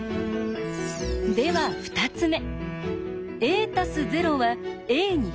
では２つ目。